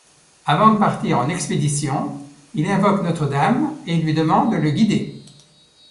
Avant de partir en expédition, il invoque Notre-Dame et lui demande de le guider.